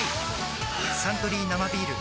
「サントリー生ビール」